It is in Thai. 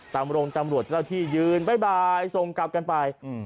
ตามโรงตำรวจจะเล่าที่ยืนบ๊ายบายส่งกลับกันไป